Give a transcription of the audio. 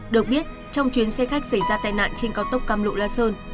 được biết trong chuyến xe khách xảy ra tai nạn trên cao tốc cam lộ la sơn